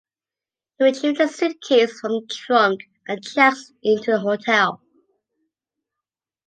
He retrieves a suitcase from the trunk and checks into a hotel.